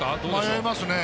迷いますね。